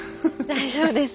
大丈夫です。